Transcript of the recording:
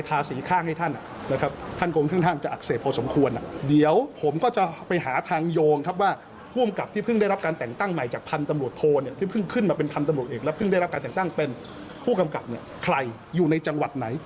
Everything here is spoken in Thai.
นี่แหละค่ะก็เป็นประเด็นร้อนแรงมาจนถึงวันนี้นะคะ